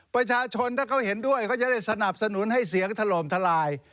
ประชาชนถ้าเขาเห็นด้วยเขาจะได้สนับสนุนให้เสียงถล่มทลาย